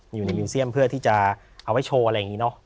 อยู่ในมิวเซียมเพื่อที่จะเอาไว้โชว์อะไรอย่างนี้เนอะ